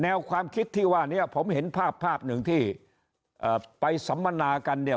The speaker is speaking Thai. แนวความคิดที่ว่าเนี่ยผมเห็นภาพหนึ่งที่ไปสัมมนากันเนี่ย